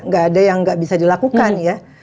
gak ada yang nggak bisa dilakukan ya